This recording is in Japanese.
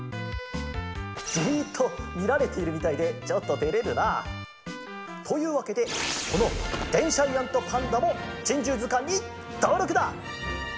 じっとみられているみたいでちょっとてれるな。というわけでこのデンシャイアントパンダも「珍獣図鑑」にとうろくだ！